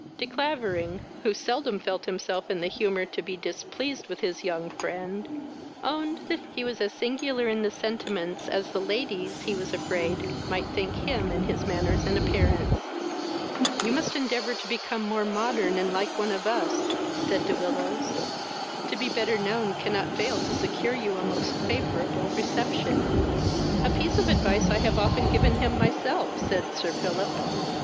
De Clavering, who seldom felt himself in the humour to be displeased with his young friend, owned that he was as singular in his sentiments as the ladies, he was afraid, might think him in his manners and appearance. "You must endeavour to become more modern, and like one of us, (said De Willows.) To be better known cannot fail to secure you a most favourable reception." "A piece of advice I have often given him myself, (said Sir Philip.)